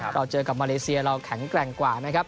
เราเจอกับมาเลเซียเราแข็งแกร่งกว่านะครับ